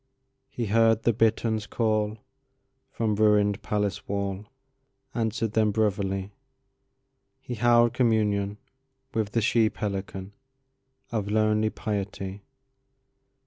He heard the bitterns callFrom ruined palace wall, Answered them brotherly. He held communionWith the she pelicanOf lonely piety.